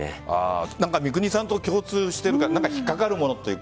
三國さんと共通しているから引っ掛かるものというか。